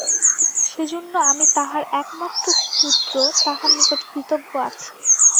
সেজন্য আমি তাঁহার একমাত্র পুত্র তাঁহার নিকট কৃতজ্ঞ আছি।